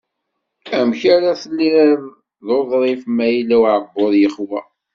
Amek ara tiliḍ d uḍrif, ma yella uεebbuḍ yexwa?